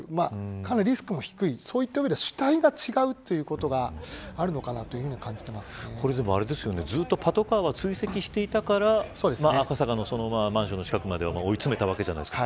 かなりリスクが低いそういった意味で主体が違うということがパトカーが追跡していたから赤坂のマンションの近くまで追い詰めたわけじゃないですか。